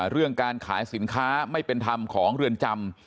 เรื่องการขายสินค้าไม่เป็นธรรมของเรือนจำ